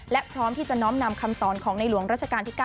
และพร้อมที่จะน้อมนำคำสอนของในหลวงราชการที่๙